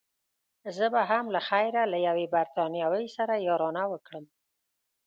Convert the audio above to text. زه به هم له خیره له یوې بریتانوۍ سره یارانه وکړم.